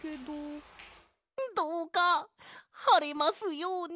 どうかはれますように！